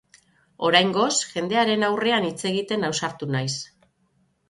Oraingoz, jendearen aurrean hitz egiten ausartu naiz.